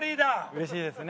うれしいですね。